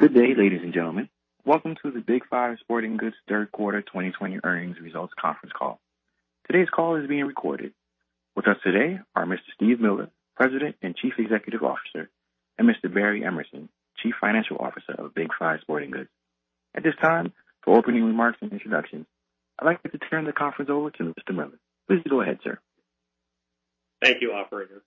Good day, ladies and gentlemen. Welcome to the Big 5 Sporting Goods Q3 2020 earnings results conference call. Today's call is being recorded. With us today are Mr. Steve Miller, President and Chief Executive Officer, and Mr. Barry Emerson, Chief Financial Officer of Big 5 Sporting Goods. At this time, for opening remarks and introductions, I'd like to turn the conference over to Mr. Miller. Please go ahead, sir. Thank you, operator.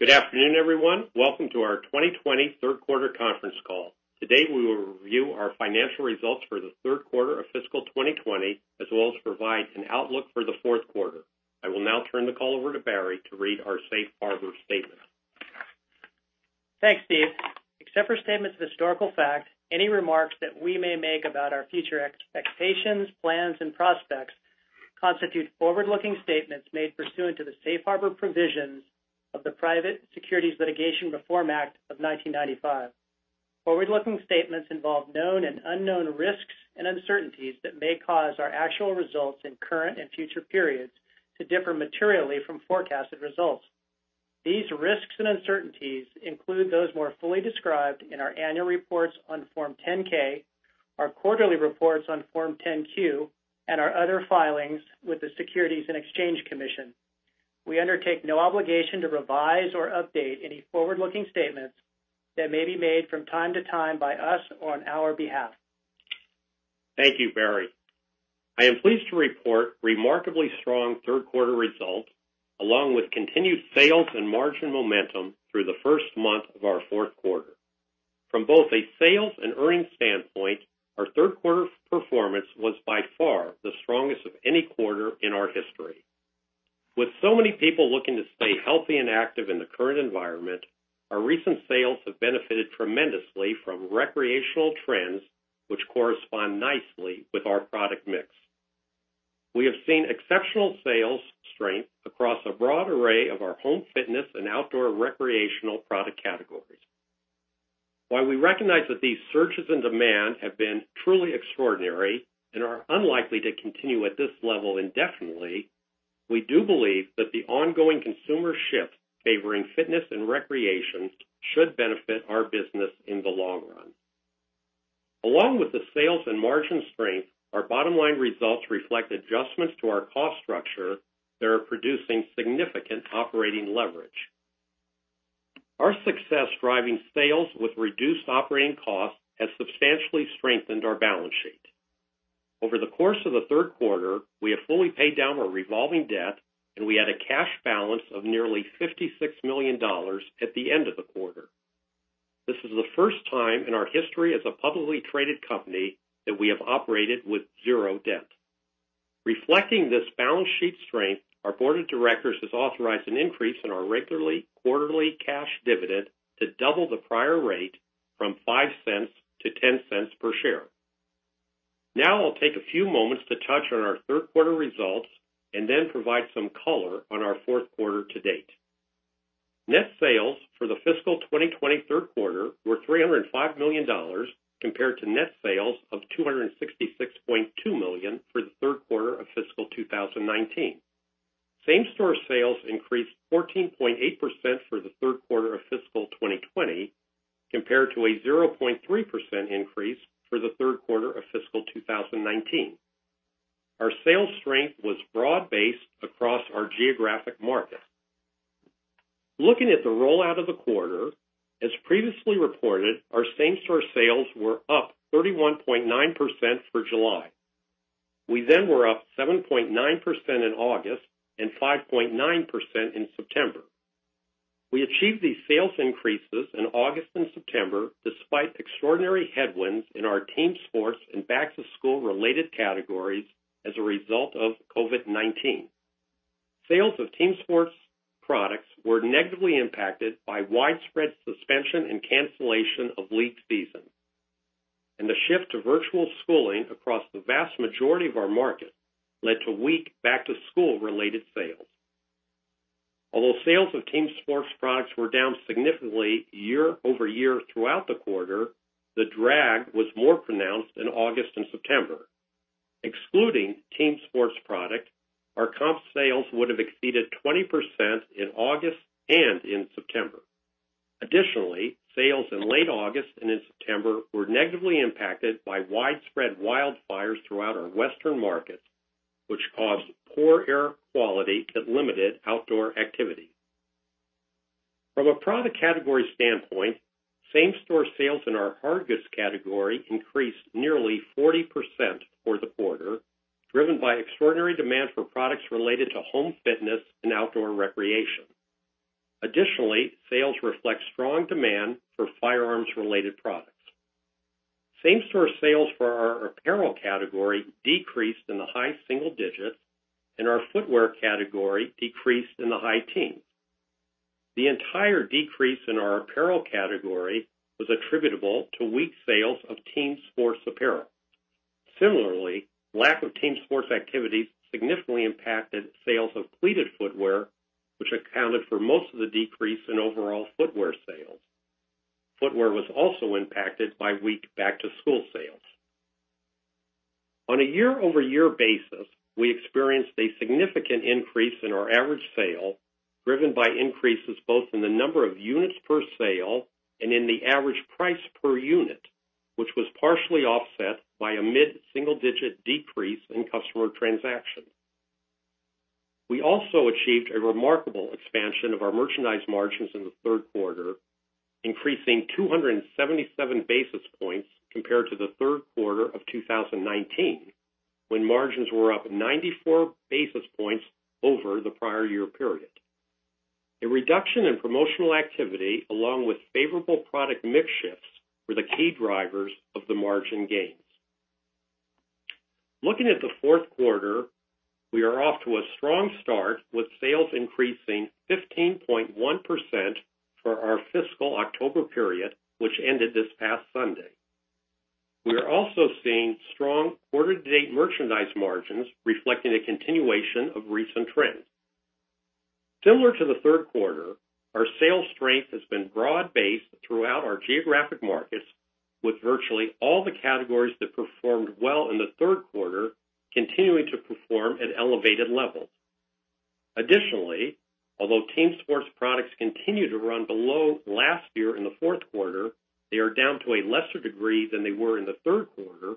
Good afternoon, everyone. Welcome to our 2020 Q3 conference call. Today, we will review our financial results for the Q3 of fiscal 2020, as well as provide an outlook for the Q4. I will now turn the call over to Barry to read our safe harbor statement. Thanks, Steve. Except for statements of historical fact, any remarks that we may make about our future expectations, plans, and prospects constitute forward-looking statements made pursuant to the safe harbor provisions of the Private Securities Litigation Reform Act of 1995. Forward-looking statements involve known and unknown risks and uncertainties that may cause our actual results in current and future periods to differ materially from forecasted results. These risks and uncertainties include those more fully described in our annual reports on Form 10-K, our quarterly reports on Form 10-Q, and our other filings with the Securities and Exchange Commission. We undertake no obligation to revise or update any forward-looking statements that may be made from time to time by us or on our behalf. Thank you, Barry. I am pleased to report remarkably strong Q3 results, along with continued sales and margin momentum through the first month of our Q4. From both a sales and earnings standpoint, our Q3 performance was by far the strongest of any quarter in our history. With so many people looking to stay healthy and active in the current environment, our recent sales have benefited tremendously from recreational trends, which correspond nicely with our product mix. We have seen exceptional sales strength across a broad array of our home fitness and outdoor recreational product categories. While we recognize that these surges in demand have been truly extraordinary and are unlikely to continue at this level indefinitely, we do believe that the ongoing consumer shift favoring fitness and recreation should benefit our business in the long run. Along with the sales and margin strength, our bottom-line results reflect adjustments to our cost structure that are producing significant operating leverage. Our success driving sales with reduced operating costs has substantially strengthened our balance sheet. Over the course of the Q3, we have fully paid down our revolving debt, and we had a cash balance of nearly $56 million at the end of the quarter. This is the first time in our history as a publicly traded company that we have operated with zero debt. Reflecting this balance sheet strength, our board of directors has authorized an increase in our regularly quarterly cash dividend to double the prior rate from $0.05-$0.10 per share. Now, I'll take a few moments to touch on our Q3 results and then provide some color on our Q4 to date. Net sales for the fiscal 2020 Q3 were $305 million, compared to net sales of $266.2 million for the Q3 of fiscal 2019. Same-store sales increased 14.8% for the Q3 of fiscal 2020, compared to a 0.3% increase for the Q3 of fiscal 2019. Our sales strength was broad-based across our geographic markets. Looking at the rollout of the quarter, as previously reported, our same-store sales were up 31.9% for July. We were up 7.9% in August and 5.9% in September. We achieved these sales increases in August and September despite extraordinary headwinds in our team sports and back-to-school related categories as a result of COVID-19. Sales of team sports products were negatively impacted by widespread suspension and cancellation of league seasons, and the shift to virtual schooling across the vast majority of our markets led to weak back-to-school related sales. Although sales of team sports products were down significantly year-over-year throughout the quarter, the drag was more pronounced in August and September. Excluding team sports products, our comp sales would have exceeded 20% in August and in September. Additionally, sales in late August and in September were negatively impacted by widespread wildfires throughout our Western markets, which caused poor air quality that limited outdoor activity. From a product category standpoint, same-store sales in our hard goods category increased nearly 40% for the quarter, driven by extraordinary demand for products related to home fitness and outdoor recreation. Additionally, sales reflect strong demand for firearms-related products. Same-store sales for our apparel category decreased in the high single digits, and our footwear category decreased in the high teens. The entire decrease in our apparel category was attributable to weak sales of team sports apparel. Similarly, lack of team sports activities significantly impacted sales of cleated footwear, which accounted for most of the decrease in overall footwear sales. Footwear was also impacted by weak back-to-school sales. On a year-over-year basis, we experienced a significant increase in our average sale, driven by increases both in the number of units per sale and in the average price per unit, which was partially offset by a mid-single digit decrease in customer transactions. We also achieved a remarkable expansion of our merchandise margins in the Q3, increasing 277 basis points compared to the Q3 of 2019, when margins were up 94 basis points over the prior year period. A reduction in promotional activity, along with favorable product mix shifts, were the key drivers of the margin gains. Looking at the Q4, we are off to a strong start, with sales increasing 15.1% for our fiscal October period, which ended this past Sunday. We are also seeing strong quarter-to-date merchandise margins reflecting a continuation of recent trends. Similar to the Q3, our sales strength has been broad-based throughout our geographic markets, with virtually all the categories that performed well in the Q3 continuing to perform at elevated levels. Additionally, although team sports products continue to run below last year in the Q4, they are down to a lesser degree than they were in the Q3,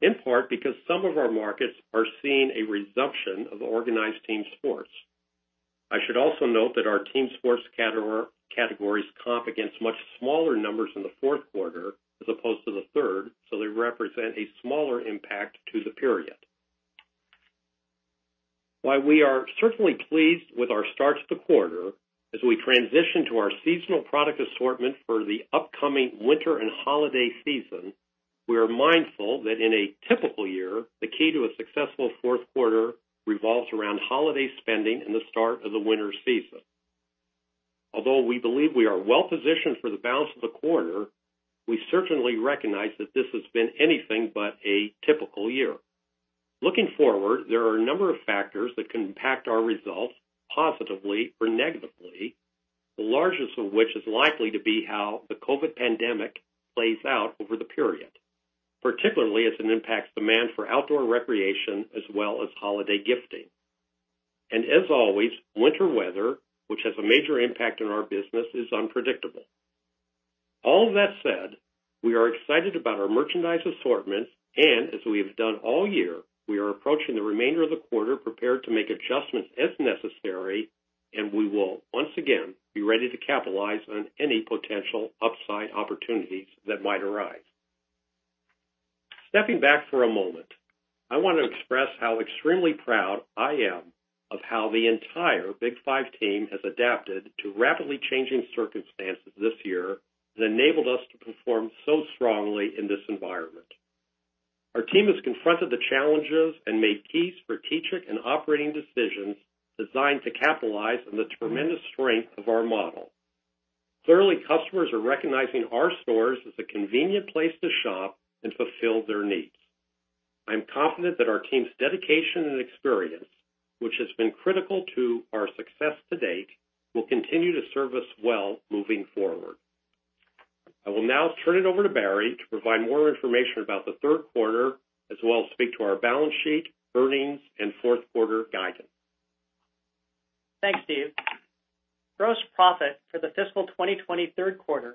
in part because some of our markets are seeing a resumption of organized team sports. I should also note that our team sports categories comp against much smaller numbers in the Q4 as opposed to the third, so they represent a smaller impact to the period. While we are certainly pleased with our start to the quarter, as we transition to our seasonal product assortment for the upcoming winter and holiday season, we are mindful that in a typical year, the key to a successful Q4 revolves around holiday spending and the start of the winter season. Although we believe we are well positioned for the balance of the quarter, we certainly recognize that this has been anything but a typical year. Looking forward, there are a number of factors that can impact our results positively or negatively, the largest of which is likely to be how the COVID pandemic plays out over the period. Particularly as it impacts demand for outdoor recreation as well as holiday gifting. As always, winter weather, which has a major impact on our business, is unpredictable. All that said, we are excited about our merchandise assortments and, as we have done all year, we are approaching the remainder of the quarter prepared to make adjustments as necessary, and we will once again be ready to capitalize on any potential upside opportunities that might arise. Stepping back for a moment, I want to express how extremely proud I am of how the entire Big 5 team has adapted to rapidly changing circumstances this year that enabled us to perform so strongly in this environment. Our team has confronted the challenges and made key strategic and operating decisions designed to capitalize on the tremendous strength of our model. Clearly, customers are recognizing our stores as a convenient place to shop and fulfill their needs. I'm confident that our team's dedication and experience, which has been critical to our success to date, will continue to serve us well moving forward. I will now turn it over to Barry to provide more information about the Q3, as well as speak to our balance sheet, earnings, and Q4 guidance. Thanks, Steve. Gross profit for the fiscal 2020 Q3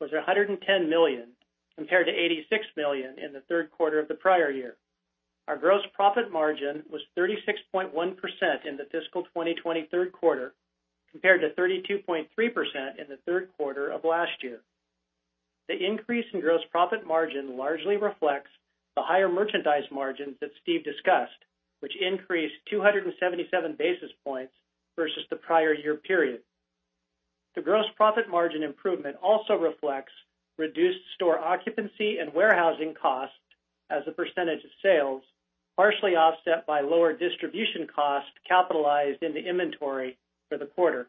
was $110 million, compared to $86 million in the Q3 of the prior year. Our gross profit margin was 36.1% in the fiscal 2020 Q3, compared to 32.3% in the Q3 of last year. The increase in gross profit margin largely reflects the higher merchandise margins that Steve discussed, which increased 277 basis points versus the prior year period. The gross profit margin improvement also reflects reduced store occupancy and warehousing costs as a percentage of sales, partially offset by lower distribution costs capitalized into inventory for the quarter.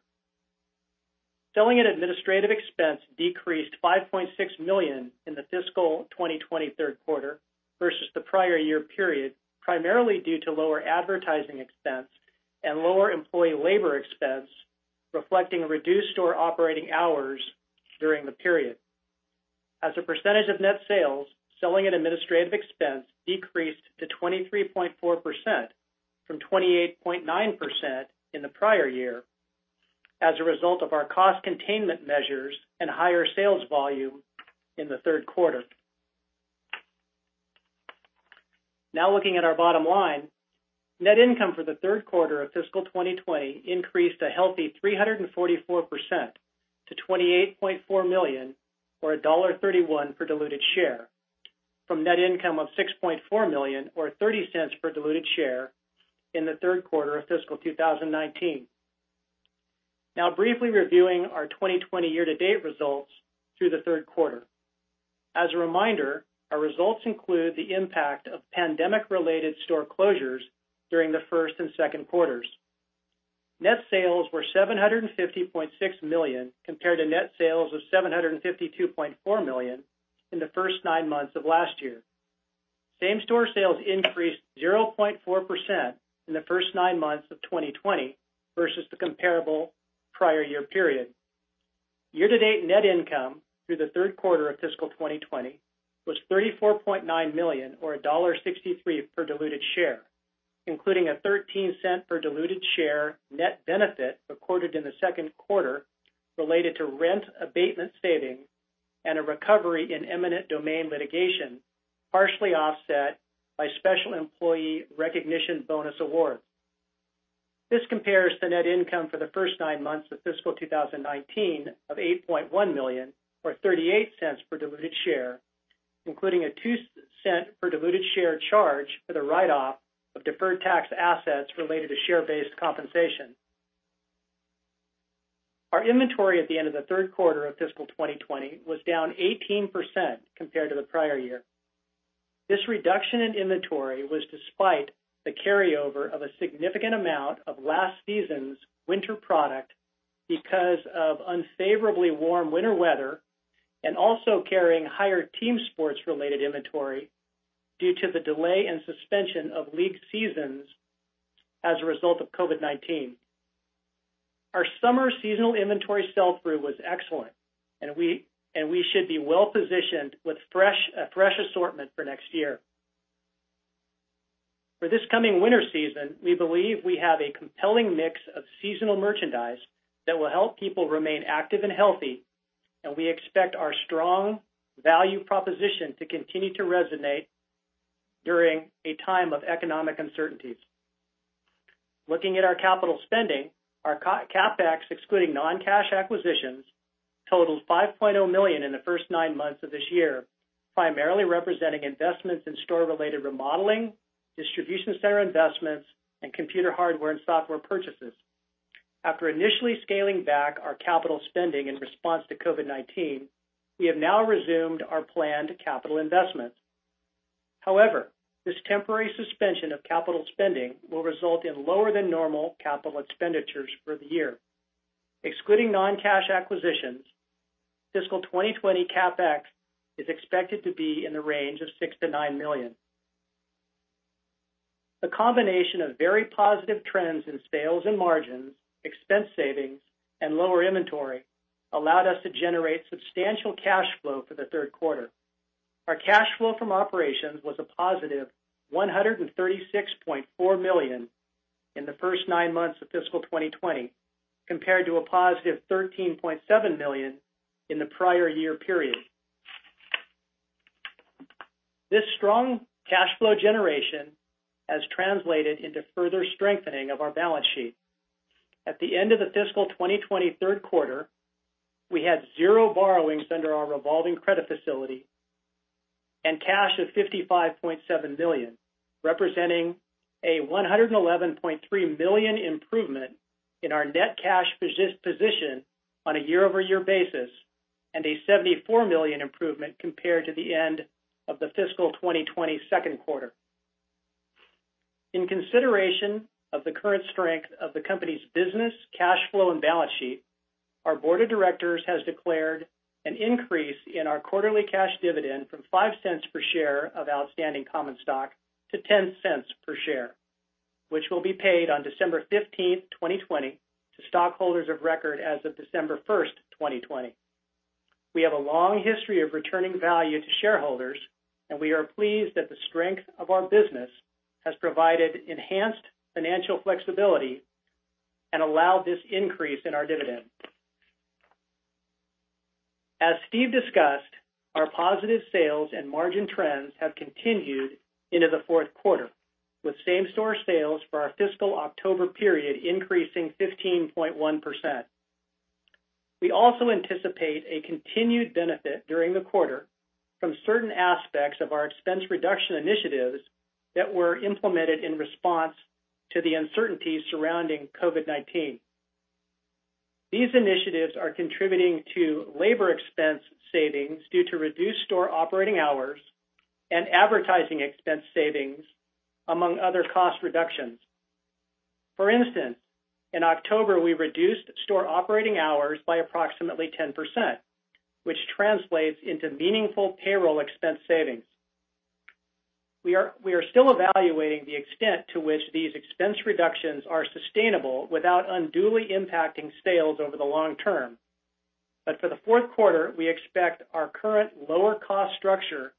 Selling and administrative expense decreased $5.6 million in the fiscal 2020 Q3 versus the prior year period, primarily due to lower advertising expense and lower employee labor expense, reflecting reduced store operating hours during the period. As a percentage of net sales, selling and administrative expense decreased to 23.4% from 28.9% in the prior year as a result of our cost containment measures and higher sales volume in the Q3. Now looking at our bottom line, net income for the Q3 of fiscal 2020 increased a healthy 344% to $28.4 million, or $1.31 per diluted share, from net income of $6.4 million or $0.30 per diluted share in the Q3 of fiscal 2019. Now briefly reviewing our 2020 year to date results through the Q3. As a reminder, our results include the impact of pandemic related store closures during the first and Q2s. Net sales were $750.6 million compared to net sales of $752.4 million in the first nine months of last year. Same-store sales increased 0.4% in the first nine months of 2020 versus the comparable prior year period. Year-to-date net income through the Q3 of fiscal 2020 was $34.9 million, or $1.63 per diluted share, including a $0.13 per diluted share net benefit recorded in the Q2 related to rent abatement savings and a recovery in eminent domain litigation, partially offset by special employee recognition bonus award. This compares to net income for the first nine months of fiscal 2019 of $8.1 million, or $0.38 per diluted share, including a $0.02 per diluted share charge for the write-off of deferred tax assets related to share-based compensation. Our inventory at the end of the Q3 of fiscal 2020 was down 18% compared to the prior year. This reduction in inventory was despite the carryover of a significant amount of last season's winter product because of unfavorably warm winter weather, and also carrying higher team sports related inventory due to the delay and suspension of league seasons as a result of COVID-19. Our summer seasonal inventory sell-through was excellent, and we should be well positioned with a fresh assortment for next year. For this coming winter season, we believe we have a compelling mix of seasonal merchandise that will help people remain active and healthy, and we expect our strong value proposition to continue to resonate during a time of economic uncertainties. Looking at our capital spending, our CapEx, excluding non-cash acquisitions, totals $5.0 million in the first nine months of this year, primarily representing investments in store-related remodeling, distribution center investments, and computer hardware and software purchases. After initially scaling back our capital spending in response to COVID-19, we have now resumed our planned capital investments. This temporary suspension of capital spending will result in lower than normal capital expenditures for the year. Excluding non-cash acquisitions, fiscal 2020 CapEx is expected to be in the range of $6 million-$9 million. The combination of very positive trends in sales and margins, expense savings, and lower inventory allowed us to generate substantial cash flow for the Q3. Our cash flow from operations was a positive $136.4 million in the first nine months of fiscal 2020, compared to a positive $13.7 million in the prior year period. This strong cash flow generation has translated into further strengthening of our balance sheet. At the end of the fiscal 2020 Q3, we had zero borrowings under our revolving credit facility and cash of $55.7 million, representing a $111.3 million improvement in our net cash position on a year-over-year basis, and a $74 million improvement compared to the end of the fiscal 2020 Q2. In consideration of the current strength of the company's business, cash flow, and balance sheet, our board of directors has declared an increase in our quarterly cash dividend from $0.05 per share of outstanding common stock to $0.10 per share, which will be paid on December 15th, 2020 to stockholders of record as of December 1st, 2020. We have a long history of returning value to shareholders. We are pleased that the strength of our business has provided enhanced financial flexibility and allowed this increase in our dividend. As Steve discussed, our positive sales and margin trends have continued into the Q4, with same-store sales for our fiscal October period increasing 15.1%. We also anticipate a continued benefit during the quarter from certain aspects of our expense reduction initiatives that were implemented in response to the uncertainties surrounding COVID-19. These initiatives are contributing to labor expense savings due to reduced store operating hours and advertising expense savings, among other cost reductions. For instance, in October, we reduced store operating hours by approximately 10%, which translates into meaningful payroll expense savings. We are still evaluating the extent to which these expense reductions are sustainable without unduly impacting sales over the long term. For the Q4, we expect our current lower cost structure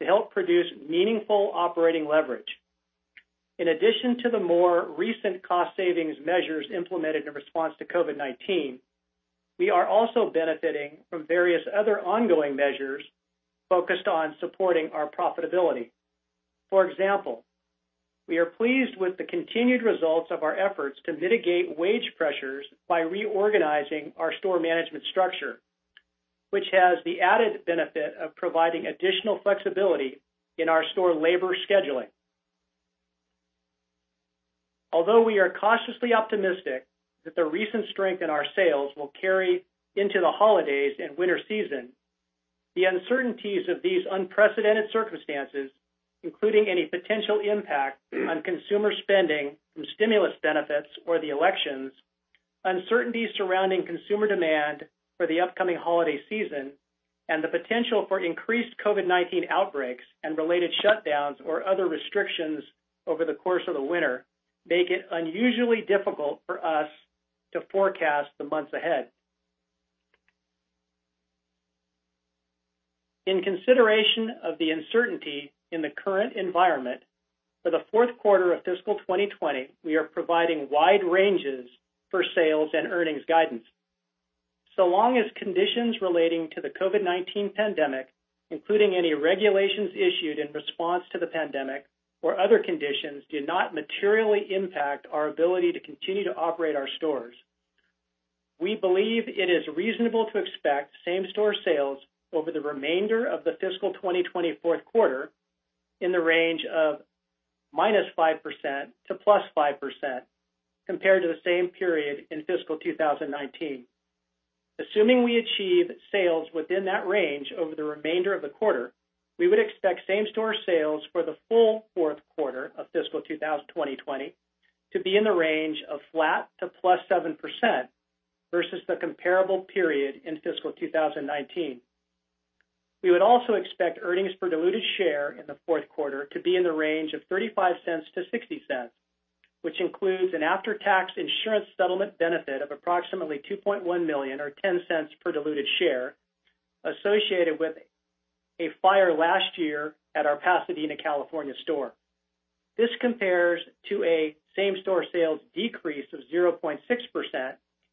to help produce meaningful operating leverage. In addition to the more recent cost savings measures implemented in response to COVID-19, we are also benefiting from various other ongoing measures focused on supporting our profitability. For example, we are pleased with the continued results of our efforts to mitigate wage pressures by reorganizing our store management structure, which has the added benefit of providing additional flexibility in our store labor scheduling. Although we are cautiously optimistic that the recent strength in our sales will carry into the holidays and winter season, the uncertainties of these unprecedented circumstances, including any potential impact on consumer spending from stimulus benefits or the elections, uncertainties surrounding consumer demand for the upcoming holiday season, and the potential for increased COVID-19 outbreaks and related shutdowns or other restrictions over the course of the winter make it unusually difficult for us to forecast the months ahead. In consideration of the uncertainty in the current environment, for the Q4 of fiscal 2020, we are providing wide ranges for sales and earnings guidance. So long as conditions relating to the COVID-19 pandemic, including any regulations issued in response to the pandemic or other conditions, do not materially impact our ability to continue to operate our stores, we believe it is reasonable to expect same-store sales over the remainder of the fiscal 2020 Q4 in the range of -5%-+5% compared to the same period in fiscal 2019. Assuming we achieve sales within that range over the remainder of the quarter, we would expect same-store sales for the full Q4 of fiscal 2020 to be in the range of flat to +7% versus the comparable period in fiscal 2019. We would also expect earnings per diluted share in the Q4 to be in the range of $0.35-$0.60, which includes an after-tax insurance settlement benefit of approximately $2.1 million or $0.10 per diluted share associated with a fire last year at our Pasadena, California store. This compares to a same-store sales decrease of 0.6%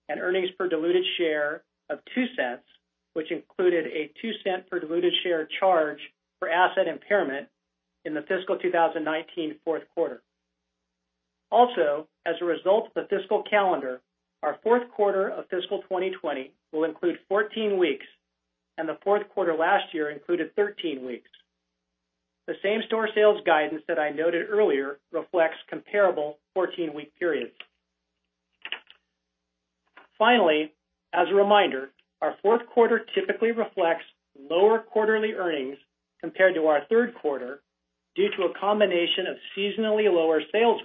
and earnings per diluted share of $0.02, which included a $0.02 per diluted share charge for asset impairment in the fiscal 2019 Q4. As a result of the fiscal calendar, our Q4 of fiscal 2020 will include 14 weeks, and the Q4 last year included 13 weeks. The same-store sales guidance that I noted earlier reflects comparable 14-week periods. Finally, as a reminder, our Q4 typically reflects lower quarterly earnings compared to our Q3 due to a combination of seasonally lower sales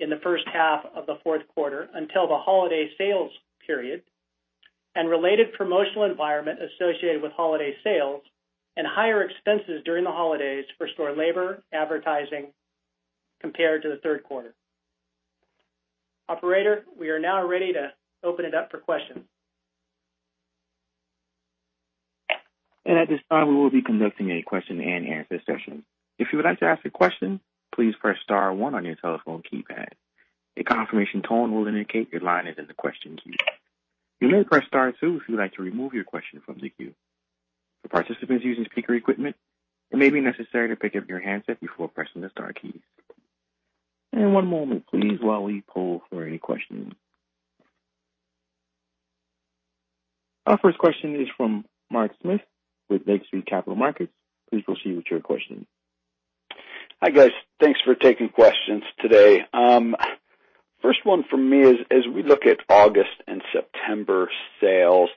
volumes in the H1 of the Q4 until the holiday sales period and related promotional environment associated with holiday sales and higher expenses during the holidays for store labor, advertising compared to the Q3. Operator, we are now ready to open it up for questions. At this time, we will be conducting a question-and-answer session. If you would like to ask a question, please press star one on your telephone keypad. A confirmation tone will indicate your line is in the question queue. You may press star two if you'd like to remove your question from the queue. For participants using speaker equipment, it may be necessary to pick up your handset before pressing the star keys. One moment, please, while we poll for any questions. Our first question is from Mark Smith with Lake Street Capital Markets. Please proceed with your question. Hi, guys. Thanks for taking questions today. First one from me is, as we look at August and September sales,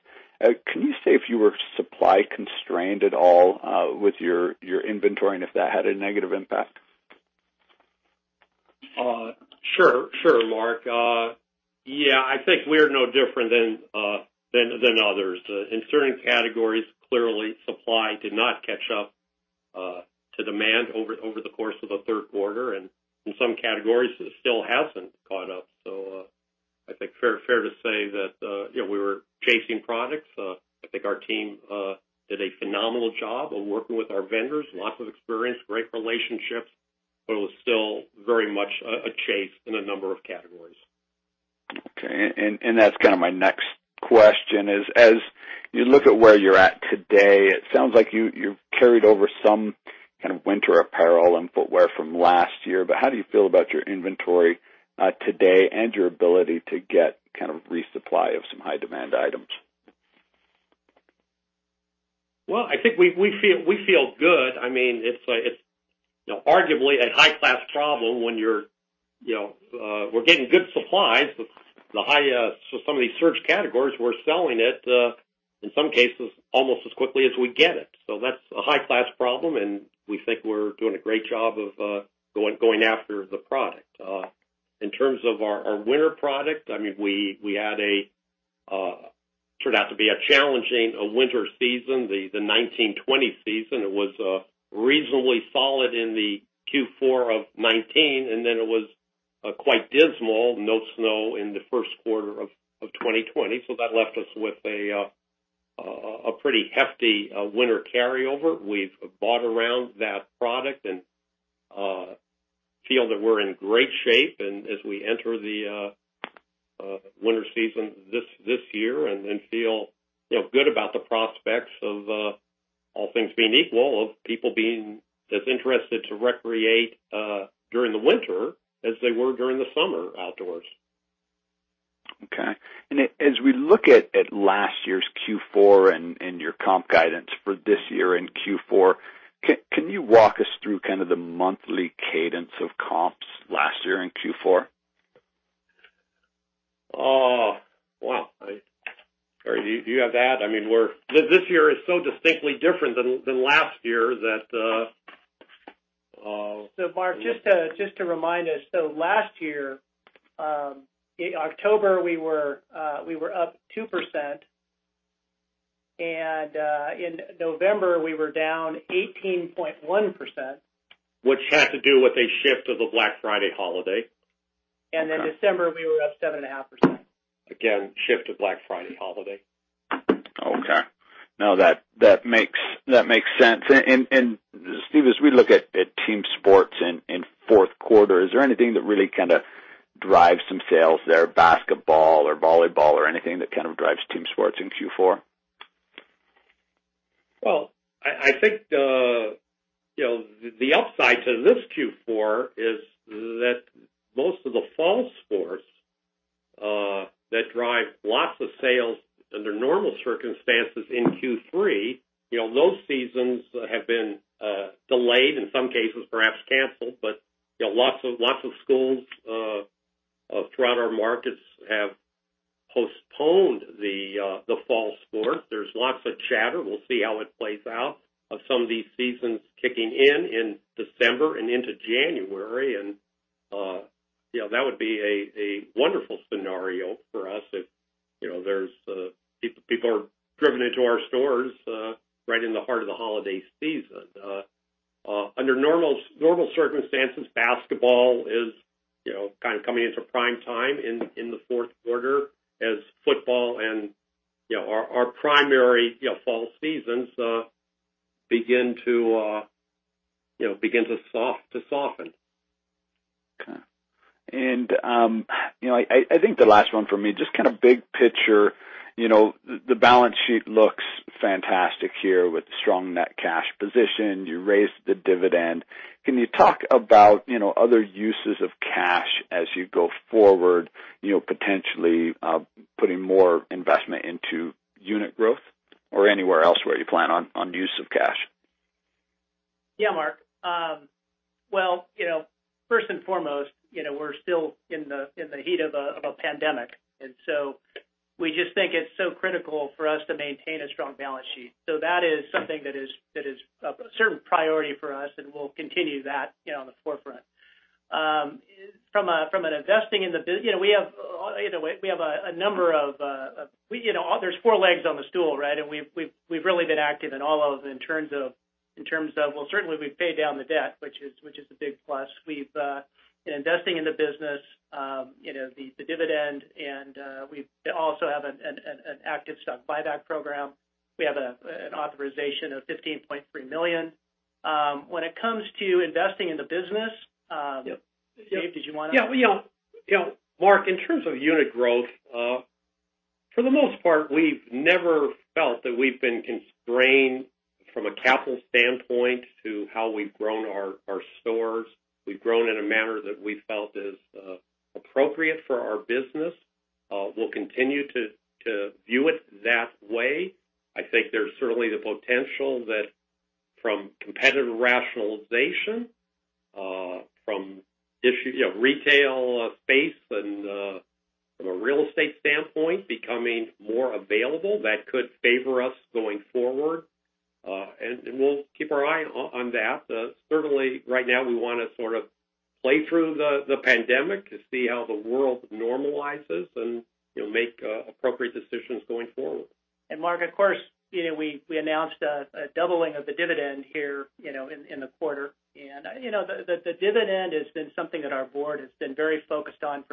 can you say if you were supply constrained at all with your inventory and if that had a negative impact? Sure, Mark. Yeah, I think we're no different than others. In certain categories, clearly, supply did not catch up to demand over the course of the Q3. In some categories, it still hasn't caught up. I think fair to say that we were chasing products. I think our team did a phenomenal job of working with our vendors, lots of experience, great relationships, but it was still very much a chase in a number of categories. That's kind of my next question is, as you look at where you're at today, it sounds like you carried over some kind of winter apparel and footwear from last year, but how do you feel about your inventory today and your ability to get resupply of some high-demand items? I think we feel good. It's arguably a high-class problem when we're getting good supplies, but some of these surge categories, we're selling it, in some cases, almost as quickly as we get it. That's a high-class problem, and we think we're doing a great job of going after the product. In terms of our winter product, we had a, turned out to be a challenging winter season, the 2019-2020 season. It was reasonably solid in the Q4 of 2019, and then it was quite dismal, no snow in the Q1 of 2020. That left us with a pretty hefty winter carryover. We've bought around that product and feel that we're in great shape. As we enter the winter season this year and feel good about the prospects of all things being equal, of people being as interested to recreate during the winter as they were during the summer outdoors. Okay. As we look at last year's Q4 and your comp guidance for this year in Q4, can you walk us through kind of the monthly cadence of comps last year in Q4? Wow. Barry, do you have that? This year is so distinctly different than last year. Mark, just to remind us, last year, in October, we were up 2%, and in November, we were down 18.1%. Which had to do with a shift of the Black Friday holiday. December, we were up 7.5%. Again, shift of Black Friday holiday. Okay. No, that makes sense. Steve, as we look at team sports in Q4, is there anything that really kind of drives some sales there, basketball or volleyball or anything that kind of drives team sports in Q4? Well, I think the upside to this Q4 is that most of the fall sports that drive lots of sales under normal circumstances in Q3, those seasons have been delayed, in some cases perhaps canceled. Lots of schools throughout our markets have postponed the fall sports. There's lots of chatter. We'll see how it plays out of some of these seasons kicking in in December and into January. That would be a wonderful scenario for us if people are driven into our stores right in the heart of the holiday season. Under normal circumstances, basketball is kind of coming into prime time in the Q4 as football and our primary fall seasons begin to soften. Okay. I think the last one for me, just kind of big picture. The balance sheet looks fantastic here with strong net cash position. You raised the dividend. Can you talk about other uses of cash as you go forward, potentially putting more investment into unit growth or anywhere else where you plan on use of cash? Yeah, Mark. Well, first and foremost, we're still in the heat of a pandemic, and so we just think it's so critical for us to maintain a strong balance sheet. That is something that is a certain priority for us, and we'll continue that on the forefront. From an investing in the business, there's four legs on the stool, right? We've really been active in all of them in terms of, well, certainly we've paid down the debt, which is a big plus. We've been investing in the business, the dividend, and we also have an active stock buyback program. We have an authorization of $15.3 million. When it comes to investing in the business Yep. Steve, did you want to? Mark, in terms of unit growth, for the most part, we've never felt that we've been constrained from a capital standpoint to how we've grown our stores. We've grown in a manner that we felt is appropriate for our business. We'll continue to view it that way. I think there's certainly the potential that from competitive rationalization, from retail space and from a real estate standpoint, becoming more available, that could favor us going forward. We'll keep our eye on that. Certainly, right now, we want to sort of play through the pandemic to see how the world normalizes and make appropriate decisions going forward. Mark, of course, we announced a doubling of the dividend here in the quarter. The dividend has been something that our board has been very focused on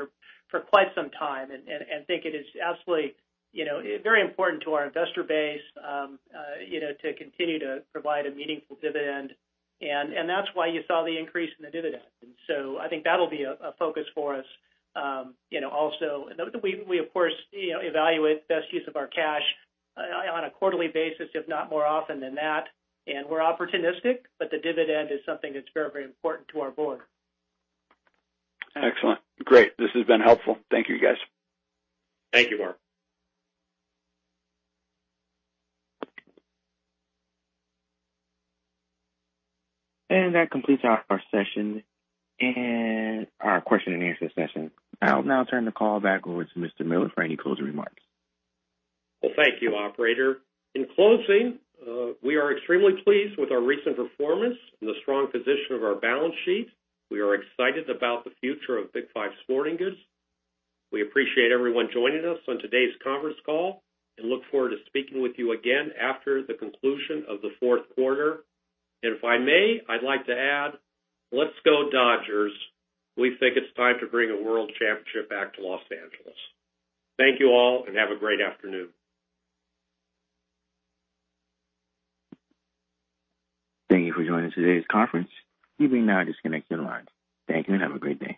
for quite some time, and think it is absolutely very important to our investor base to continue to provide a meaningful dividend. That's why you saw the increase in the dividend. I think that'll be a focus for us also. We, of course, evaluate best use of our cash on a quarterly basis, if not more often than that, and we're opportunistic, but the dividend is something that's very, very important to our board. Excellent. Great. This has been helpful. Thank you, guys. Thank you, Mark. That completes our session and our question and answer session. I'll now turn the call back over to Mr. Miller for any closing remarks. Well, thank you, operator. In closing, we are extremely pleased with our recent performance and the strong position of our balance sheet. We are excited about the future of Big 5 Sporting Goods. We appreciate everyone joining us on today's conference call and look forward to speaking with you again after the conclusion of the Q4. If I may, I'd like to add, let's go Dodgers. We think it's time to bring a world championship back to Los Angeles. Thank you all, and have a great afternoon. Thank you for joining today's conference. You may now disconnect your lines. Thank you. Have a great day.